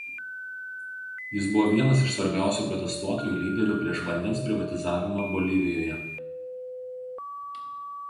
Jis buvo vienas iš svarbiausių protestuotojų lyderių prieš vandens privatizavimą Bolivijoje.